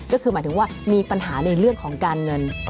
ก็คือหมายถึงว่ามีปัญหาในเรื่องของการเงิน